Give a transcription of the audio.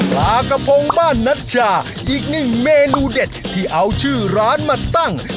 ปลากระพงบ้านนัชชาอีกหนึ่งเมนูเด็ดที่เอาชื่อร้านมาตั้ง